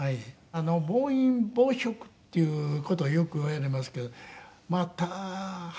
暴飲暴食っていう事をよくいわれますけどまた腹